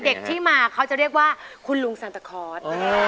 เด็กที่มาเขาจะเรียกว่าคุณลุงซันตะคอร์ส